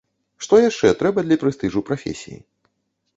Што яшчэ трэба для прэстыжу прафесіі.